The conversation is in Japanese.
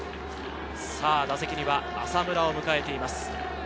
打席には浅村を迎えています。